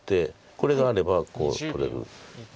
これがあればこう取れる。